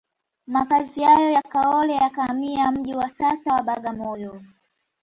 Makazi hayo ya Kaole yakahamia mji wa sasa wa Bagamoyo